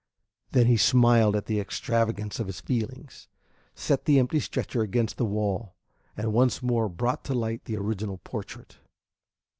Then he smiled at the extravagance of his feelings, set the empty stretcher against the wall, and once more brought to light the original portrait.